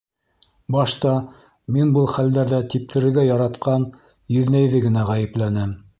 Башта мин был хәлдәрҙә типтерергә яратҡан еҙнәйҙе генә ғәйепләнем.